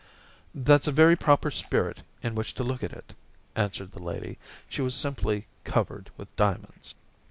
* That's a very proper spirit in which to look at it,' answered the lady. ...* She was simply covered with diamonds.'